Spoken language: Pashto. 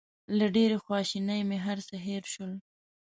له ډېرې خواشینۍ مې هر څه هېر شول.